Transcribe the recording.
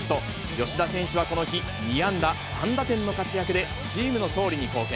吉田選手はこの日、２安打３打点の活躍で、チームの勝利に貢献。